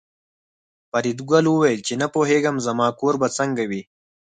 فریدګل وویل چې نه پوهېږم زما کور به څنګه وي